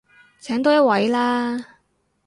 請多一位啦